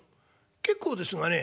結構ですがね